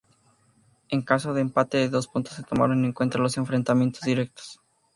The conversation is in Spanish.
En caso de empate de puntos, se tomaron en cuenta los enfrentamientos directos.